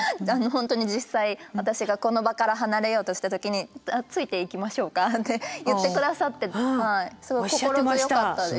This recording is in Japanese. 本当に実際私がこの場から離れようとした時に「ついていきましょうか？」って言って下さってすごく心強かったです。